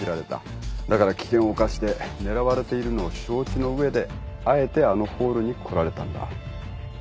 だから危険を犯して狙われているのを承知の上であえてあのホールに来られたんだ。